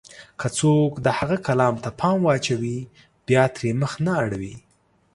که څوک د هغه کلام ته پام واچوي، بيا ترې مخ نه اړوي.